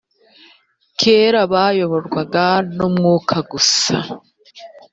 kera bayoborwaga n umwuka gusa